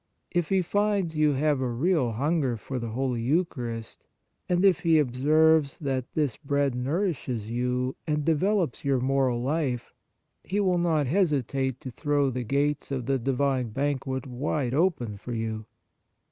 If he finds you have a real hunger for the Holy Eucharist, and if he observes that this Bread nourishes you and develops your moral life, he will not hesitate to throw the gates of the Divine banquet wide open for you.